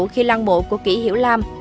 khi lăng mộ của kỷ hiểu lam